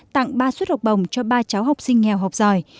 tặng ba xuất học bồng cho ba cháu học sinh nghèo học giỏi